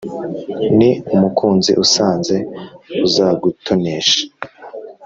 Ni umukunzi usanze azagutoneshaaa